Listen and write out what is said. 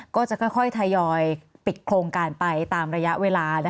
ก็จะค่อยทยอยปิดโครงการไปตามระยะเวลา